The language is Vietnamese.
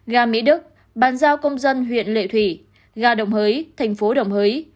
ga mỹ đức bàn giao công dân huyện lệ thủy ga đồng hới thành phố đồng hới